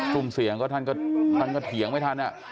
ุ่มเสียงก็ท่านก็เถียงไม่ทัน